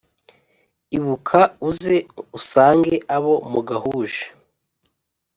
Ibuka uze usange abo mugahuje